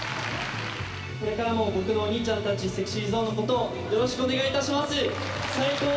これからも僕のお兄ちゃんたち、ＳｅｘｙＺｏｎｅのことを、よろしくお願いいたします。